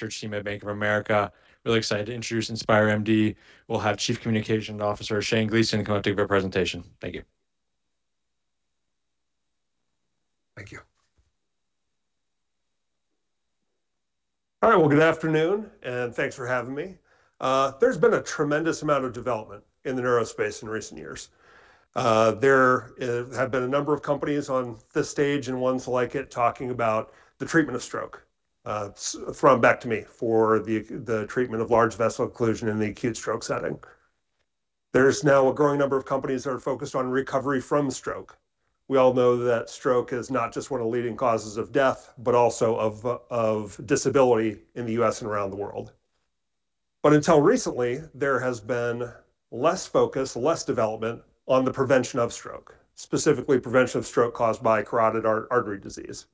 Research team at Bank of America. Really excited to introduce InspireMD. We'll have Chief Commercial Officer Shane Gleason come up to give a presentation. Thank you. Thank you. All right, well, good afternoon, thanks for having me. There's been a tremendous amount of development in the neurospace in recent years. There have been a number of companies on this stage and ones like it talking about the treatment of stroke, thrombectomy for the treatment of large vessel occlusion in the acute stroke setting. There's now a growing number of companies that are focused on recovery from stroke. We all know that stroke is not just one of the leading causes of death, but also of disability in the U.S. and around the world. Until recently, there has been less focus, less development on the prevention of stroke, specifically prevention of stroke caused by carotid artery disease.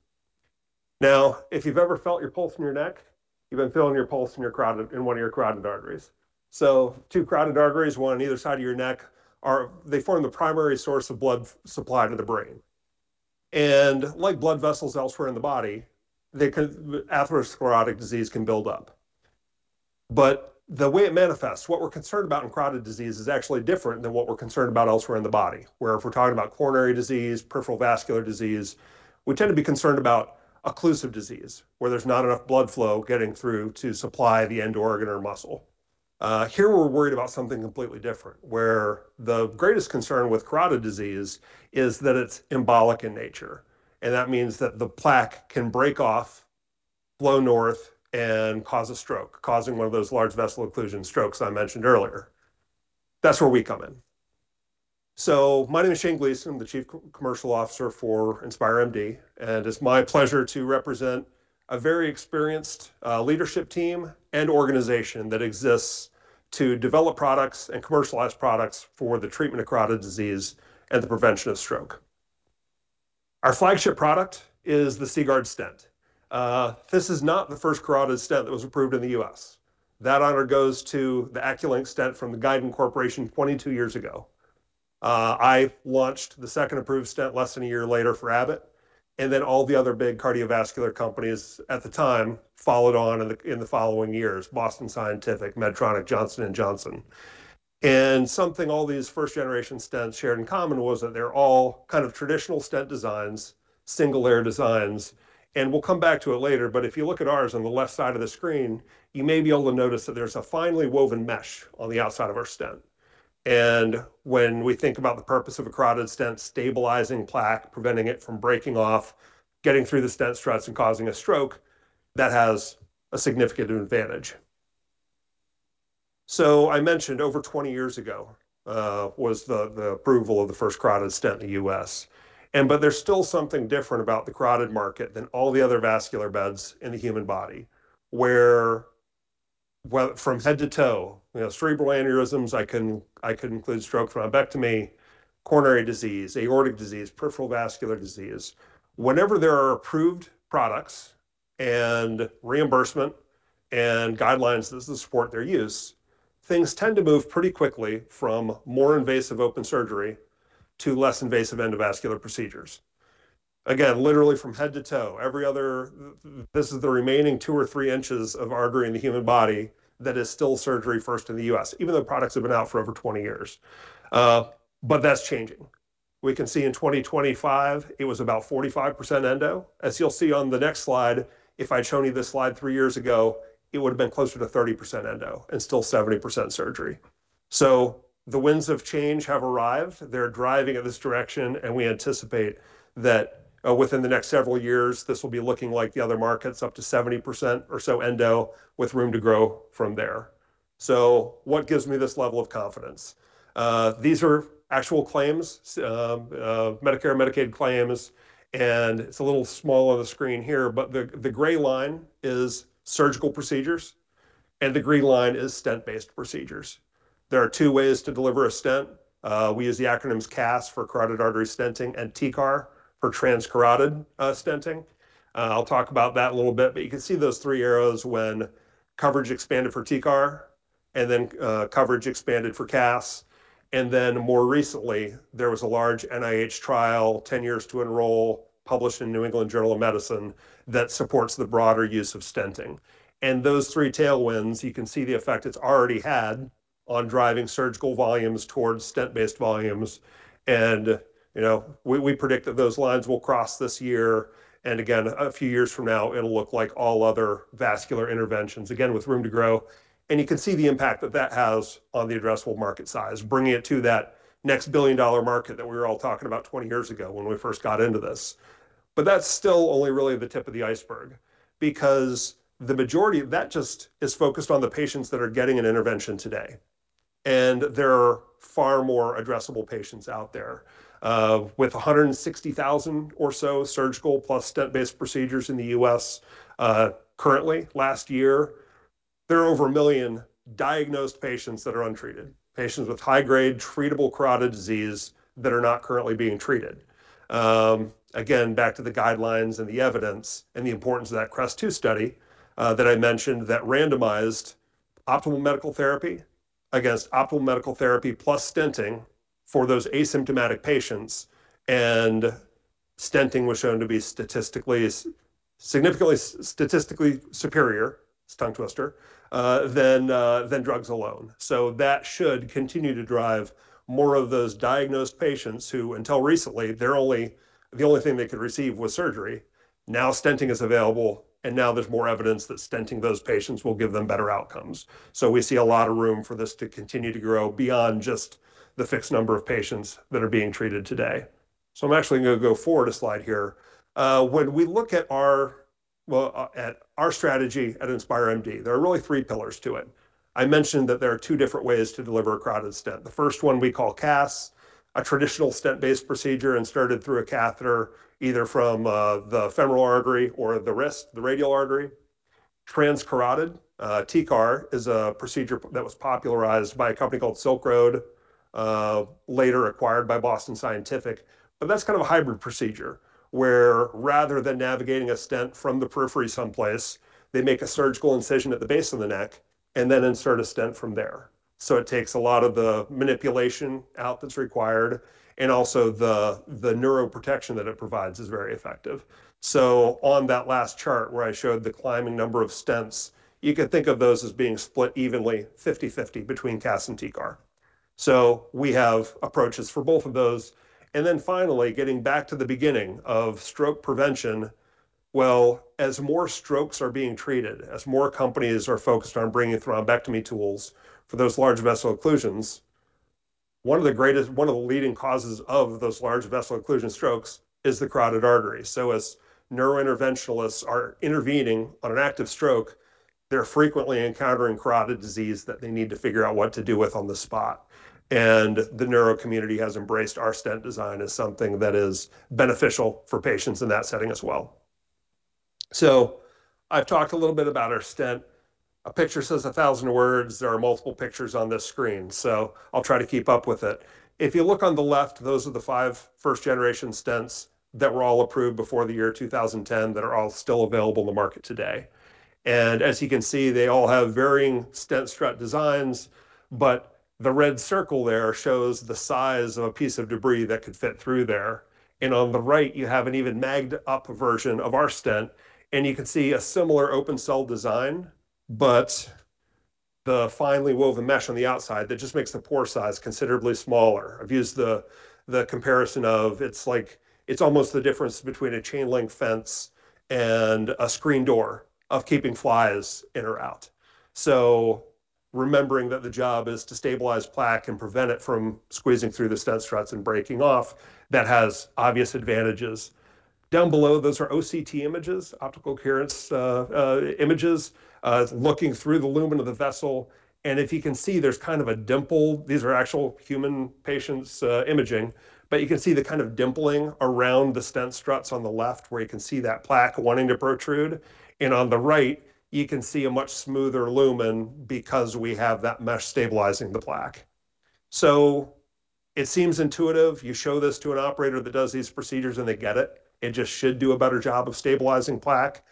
Now, if you've ever felt your pulse in your neck, you've been feeling your pulse in your carotid in one of your carotid arteries. Two carotid arteries, one on either side of your neck, they form the primary source of blood supply to the brain. Like blood vessels elsewhere in the body, atherosclerotic disease can build up. The way it manifests, what we're concerned about in carotid disease is actually different than what we're concerned about elsewhere in the body, where if we're talking about coronary disease, peripheral vascular disease, we tend to be concerned about occlusive disease, where there's not enough blood flow getting through to supply the end organ or muscle. Here we're worried about something completely different, where the greatest concern with carotid disease is that it's embolic in nature, and that means that the plaque can break off, flow north and cause a stroke, causing one of those large vessel occlusion strokes I mentioned earlier. That's where we come in. My name is Shane Gleason. I'm the Chief Commercial Officer for InspireMD, and it's my pleasure to represent a very experienced leadership team and organization that exists to develop products and commercialize products for the treatment of carotid disease and the prevention of stroke. Our flagship product is the CGuard stent. This is not the first carotid stent that was approved in the U.S. That honor goes to the Acculink stent from the Guidant Corporation 22 years ago. I launched the second approved stent less than one year later for Abbott. All the other big cardiovascular companies at the time followed on in the following years, Boston Scientific, Medtronic, Johnson & Johnson. Something all these first generation stents shared in common was that they're all kind of traditional stent designs, single-layer designs. We'll come back to it later, but if you look at ours on the left side of the screen, you may be able to notice that there's a finely woven mesh on the outside of our stent. When we think about the purpose of a carotid stent, stabilizing plaque, preventing it from breaking off, getting through the stent struts and causing a stroke, that has a significant advantage. I mentioned over 20 years ago, was the approval of the first carotid stent in the U.S. but there's still something different about the carotid market than all the other vascular beds in the human body, where from head to toe, you know, cerebral aneurysms, I could include stroke, thrombectomy, coronary disease, aortic disease, peripheral vascular disease. Whenever there are approved products and reimbursement and guidelines that support their use, things tend to move pretty quickly from more invasive open surgery to less invasive endovascular procedures. Again, literally from head to toe, every other this is the remaining two or three inches of artery in the U.S. that is still surgery first in the U.S. even though products have been out for over 20 years. That's changing. We can see in 2025 it was about 45% endo. As you'll see on the next slide, if I'd shown you this slide three years ago, it would've been closer to 30% endo and still 70% surgery. The winds of change have arrived. They're driving in this direction, and we anticipate that within the next several years, this will be looking like the other markets, up to 70% or so endo with room to grow from there. What gives me this level of confidence? These are actual claims, Medicare, Medicaid claims, and it's a little small on the screen here, but the gray line is surgical procedures, and the green line is stent-based procedures. There are two ways to deliver a stent. We use the acronyms CAS for carotid artery stenting and TCAR for transcarotid stenting. I'll talk about that a little bit, but you can see those three arrows when coverage expanded for TCAR and then coverage expanded for CAS. More recently, there was a large NIH trial, 10 years to enroll, published in New England Journal of Medicine, that supports the broader use of stenting. Those three tailwinds, you can see the effect it's already had on driving surgical volumes towards stent-based volumes. You know, we predict that those lines will cross this year, and again, a few years from now, it'll look like all other vascular interventions, again, with room to grow. You can see the impact that that has on the addressable market size, bringing it to that next $1 billion market that we were all talking about 20 years ago when we first got into this. That's still only really the tip of the iceberg because the majority of that just is focused on the patients that are getting an intervention today, and there are far more addressable patients out there. With 160,000 or so surgical plus stent-based procedures in the U.S. currently last year, there are over 1 million diagnosed patients that are untreated, patients with high-grade treatable carotid disease that are not currently being treated. Again, back to the guidelines and the evidence and the importance of that CREST-2 study that I mentioned that randomized optimal medical therapy against optimal medical therapy plus stenting for those asymptomatic patients. Stenting was shown to be statistically significantly statistically superior, it's a tongue twister, than drugs alone. That should continue to drive more of those diagnosed patients who, until recently, the only thing they could receive was surgery. Now stenting is available, and now there's more evidence that stenting those patients will give them better outcomes. We see a lot of room for this to continue to grow beyond just the fixed number of patients that are being treated today. I'm actually going to go forward a slide here. When we look at our, well, at our strategy at InspireMD, there are really three pillars to it. I mentioned that there are two different ways to deliver a carotid stent. The first one we call CAS, a traditional stent-based procedure inserted through a catheter, either from the femoral artery or the wrist, the radial artery. Transcarotid TCAR is a procedure that was popularized by a company called Silk Road, later acquired by Boston Scientific. That's kind of a hybrid procedure, where rather than navigating a stent from the periphery someplace, they make a surgical incision at the base of the neck and then insert a stent from there. It takes a lot of the manipulation out that's required, and also the neuroprotection that it provides is very effective. On that last chart where I showed the climbing number of stents, you could think of those as being split evenly 50/50 between CAS and TCAR. We have approaches for both of those. Finally, getting back to the beginning of stroke prevention, well, as more strokes are being treated, as more companies are focused on bringing thrombectomy tools for those large vessel occlusions, one of the leading causes of those large vessel occlusion strokes is the carotid artery. As neurointerventionalists are intervening on an active stroke, they're frequently encountering carotid disease that they need to figure out what to do with on the spot. The neuro community has embraced our stent design as something that is beneficial for patients in that setting as well. I've talked a little bit about our stent. A picture says 1,000 words. There are multiple pictures on this screen, so I'll try to keep up with it. If you look on the left, those are the five first-generation stents that were all approved before the year 2010 that are all still available in the market today. As you can see, they all have varying stent strut designs, but the red circle there shows the size of a piece of debris that could fit through there. On the right, you have an even magged up version of our stent, and you can see a similar open cell design, but the finely woven mesh on the outside that just makes the pore size considerably smaller. I've used the comparison of it's like, it's almost the difference between a chain link fence and a screen door of keeping flies in or out. Remembering that the job is to stabilize plaque and prevent it from squeezing through the stent struts and breaking off, that has obvious advantages. Down below, those are OCT images, optical coherence images, looking through the lumen of the vessel. If you can see, there's kind of a dimple. These are actual human patients' imaging. You can see the kind of dimpling around the stent struts on the left, where you can see that plaque wanting to protrude. On the right, you can see a much smoother lumen because we have that mesh stabilizing the plaque. It seems intuitive. You show this to an operator that does these procedures, and they get it. It just should do a better job of stabilizing plaque.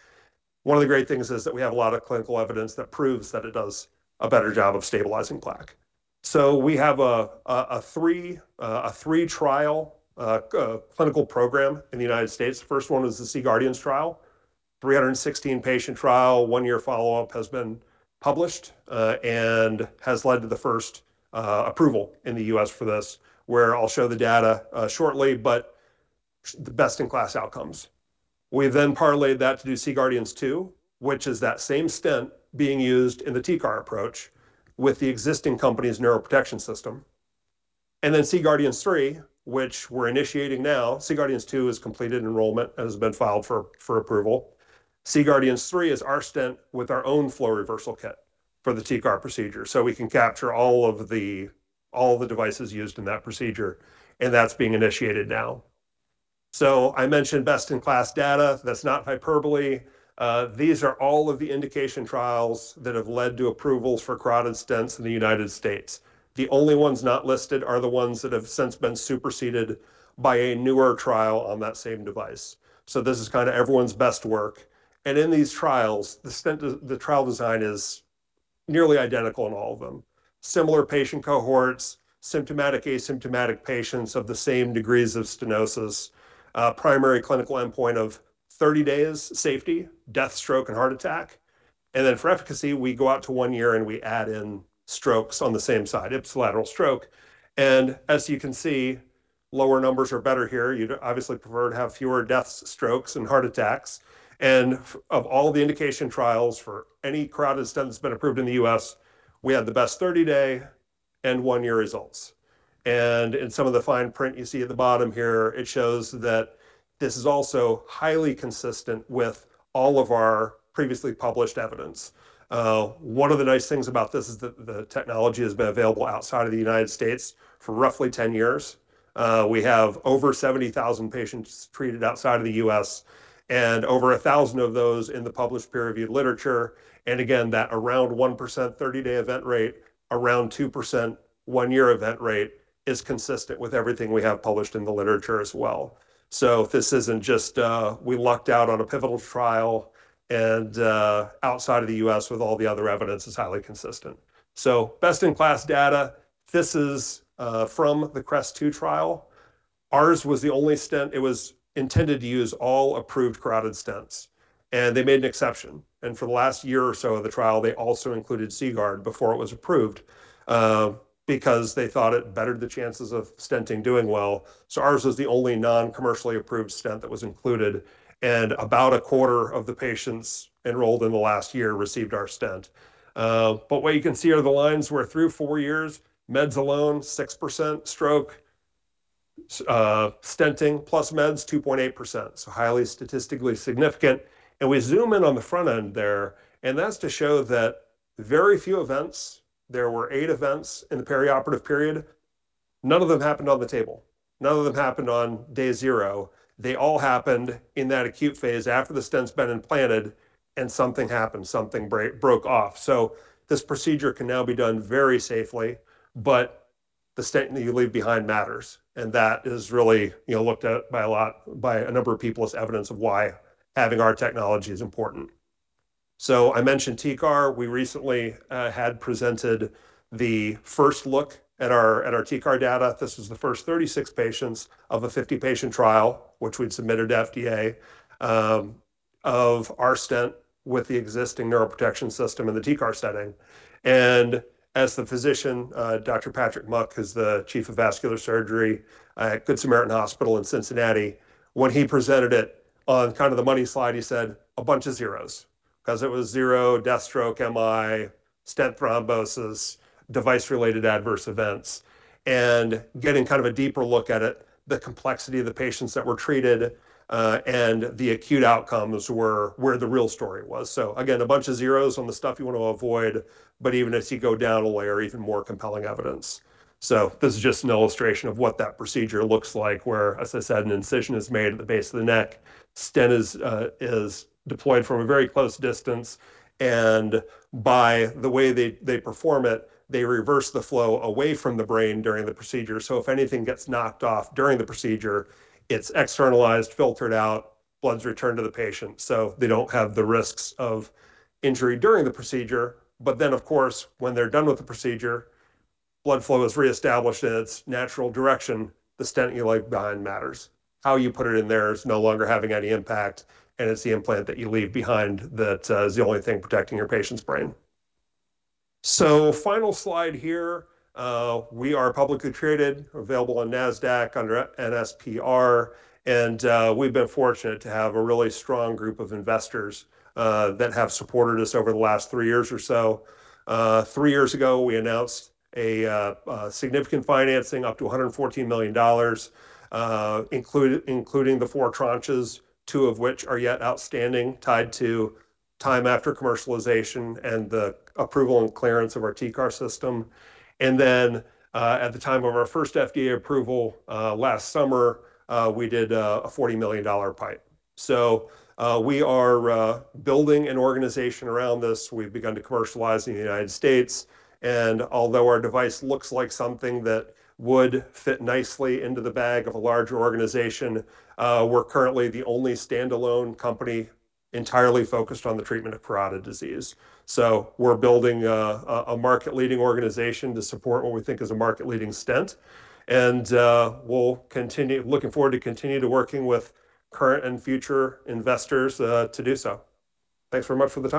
One of the great things is that we have a lot of clinical evidence that proves that it does a better job of stabilizing plaque. We have a three trial clinical program in the United States. The first one was the C-GUARDIANS trial, 316 patient trial. One-year follow-up has been published and has led to the first approval in the U.S. for this, where I'll show the data shortly, but the best-in-class outcomes. We then parlayed that to do C-GUARDIANS II, which is that same stent being used in the TCAR approach with the existing company's neuroprotection system. C-GUARDIANS III, which we're initiating now. C-GUARDIANS II has completed enrollment, has been filed for approval. C-GUARDIANS III is our stent with our own flow reversal kit for the TCAR procedure. We can capture all the devices used in that procedure, and that's being initiated now. I mentioned best-in-class data. That's not hyperbole. These are all of the indication trials that have led to approvals for carotid stents in the United States. The only ones not listed are the ones that have since been superseded by a newer trial on that same device. This is kind of everyone's best work. In these trials, the trial design is nearly identical in all of them. Similar patient cohorts, symptomatic/asymptomatic patients of the same degrees of stenosis. Primary clinical endpoint of 30 days safety, death, stroke, and heart attack. For efficacy, we go out to 1 year, and we add in strokes on the same side, ipsilateral stroke. As you can see, lower numbers are better here. You'd obviously prefer to have fewer deaths, strokes, and heart attacks. Of all the indication trials for any carotid stent that's been approved in the U.S., we have the best 30-day and one-year results. In some of the fine print you see at the bottom here, it shows that this is also highly consistent with all of our previously published evidence. One of the nice things about this is the technology has been available outside of the United States for roughly 10 years. We have over 70,000 patients treated outside of the U.S. and over 1,000 of those in the published peer-reviewed literature. Again, that around 1% 30-day event rate, around 2% one-year event rate is consistent with everything we have published in the literature as well. This isn't just, we lucked out on a pivotal trial and, outside of the U.S. with all the other evidence is highly consistent. Best-in-class data. This is from the CREST-2 trial. Ours was the only stent. It was intended to use all approved carotid stents, and they made an exception. For the last year or so of the trial, they also included CGuard before it was approved, because they thought it bettered the chances of stenting doing well. Ours was the only non-commercially approved stent that was included, and about a quarter of the patients enrolled in the last year received our stent. What you can see are the lines where through four years, meds alone, 6% stroke, stenting plus meds, 2.8%. Highly statistically significant. We zoom in on the front end there, and that's to show that very few events, there were eight events in the perioperative period, none of them happened on the table. None of them happened on day zero. They all happened in that acute phase after the stent's been implanted and something happened, something broke off. This procedure can now be done very safely, but the stent that you leave behind matters, and that is really, you know, looked at by a number of people as evidence of why having our technology is important. I mentioned TCAR. We recently had presented the first look at our TCAR data. This was the first 36 patients of a 50-patient trial, which we'd submitted to FDA of our stent with the existing neural protection system in the TCAR setting. As the physician, Dr. Patrick Muck, who's the Chief of Vascular Surgery at Good Samaritan Hospital in Cincinnati, when he presented it on kind of the money slide, he said, "A bunch of zeros," because it was zero death stroke, MI, stent thrombosis, device-related adverse events. Getting kind of a deeper look at it, the complexity of the patients that were treated, and the acute outcomes were where the real story was. Again, a bunch of zeros on the stuff you want to avoid, but even as you go down a layer, even more compelling evidence. This is just an illustration of what that procedure looks like, where, as I said, an incision is made at the base of the neck. Stent is deployed from a very close distance. By the way they perform it, they reverse the flow away from the brain during the procedure. If anything gets knocked off during the procedure, it's externalized, filtered out, blood's returned to the patient, so they don't have the risks of injury during the procedure. Of course, when they're done with the procedure, blood flow is reestablished in its natural direction. The stent you leave behind matters. How you put it in there is no longer having any impact, and it's the implant that you leave behind that is the only thing protecting your patient's brain. Final slide here, we are publicly traded, available on NASDAQ under NSPR, and we've been fortunate to have a really strong group of investors that have supported us over the last three years or so. Three years ago, we announced a significant financing up to $114 million, including the four tranches, two of which are yet outstanding, tied to time after commercialization and the approval and clearance of our TCAR system. At the time of our first FDA approval, last summer, we did a $40 million pipe. We are building an organization around this. We've begun to commercialize in the United States, and although our device looks like something that would fit nicely into the bag of a larger organization, we're currently the only standalone company entirely focused on the treatment of carotid disease. We're building a market-leading organization to support what we think is a market-leading stent and we're looking forward to continue to working with current and future investors to do so. Thanks very much for the time.